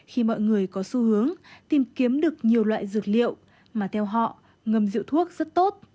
khi mọi người có xu hướng tìm kiếm được nhiều loại dược liệu mà theo họ ngâm rượu thuốc rất tốt